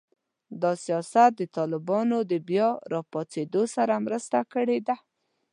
دا سیاست د طالبانو د بیا راپاڅېدو سره مرسته کړې ده